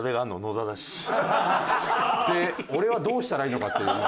で俺はどうしたらいいのかっていう。